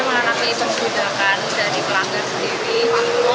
mengenai pemudakan dari pelanggar sendiri